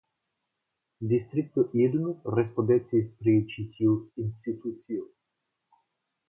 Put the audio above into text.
Distrikto Ilm respondecis pri ĉi tiu institucio.